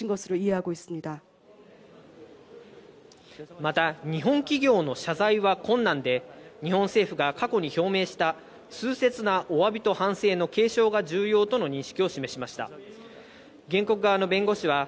また日本企業の謝罪は困難で、日本政府が過去に表明した「痛切なお詫びと反省」の継承が重要との認識を示しました。